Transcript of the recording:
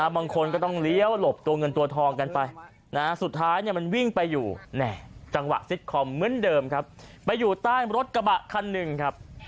บางคนก็ต้องเลี้ยวหลบตัวเงินตัวทองกันไปสุดท้ายมันวิ่งไปอยู่จังหวะซิตคอมเหมือนเดิมครับไปอยู่ใต้รถกระบะคันหนึ่งครับ